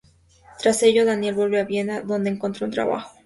Tras ello Daniel vuelve a Viena donde encontró un trabajo.